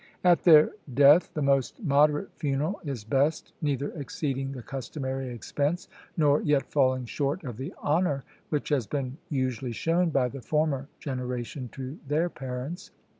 At their death, the most moderate funeral is best, neither exceeding the customary expense, nor yet falling short of the honour which has been usually shown by the former generation to their parents.